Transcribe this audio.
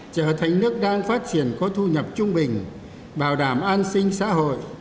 trở thành nước đang phát triển có thu nhập trung bình bảo đảm an sinh xã hội